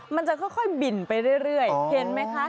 มันจะค่อยบินไปเรื่อยเห็นไหมคะ